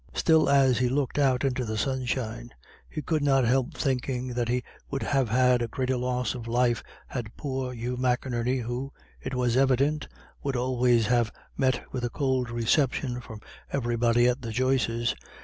Still as he looked out into the sunshine he could not help thinking that he would have had a greater loss of his life than poor Hugh McInerney, who, it was evident, would always have met with a cold reception from everybody at the Joyces'.